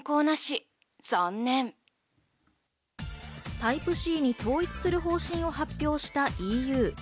タイプＣに統一する方針を発表したＥＵ。